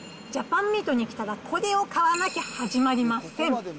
ジャパンミートに来たら、これを買わなきゃ始まりません。